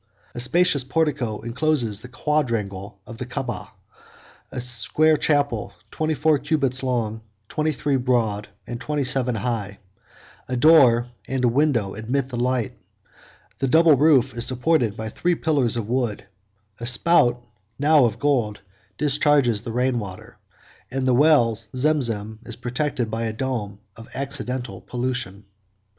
47 A spacious portico encloses the quadrangle of the Caaba; a square chapel, twenty four cubits long, twenty three broad, and twenty seven high: a door and a window admit the light; the double roof is supported by three pillars of wood; a spout (now of gold) discharges the rain water, and the well Zemzen is protected by a dome from accidental pollution.